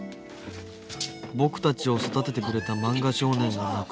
僕たちを育ててくれた「漫画少年」がなくなる。